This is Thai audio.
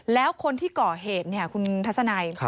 แล้วคนที่ก่อเหตุเนี่ยคุณทัศนัย